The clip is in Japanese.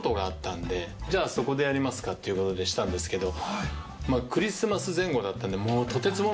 ちょうど。っていうことでしたんですけど。